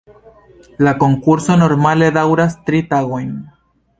La konkurso normale daŭras tri tagojn.